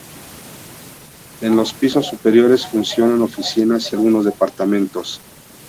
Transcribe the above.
En los pisos superiores funcionan oficinas y algunos departamentos.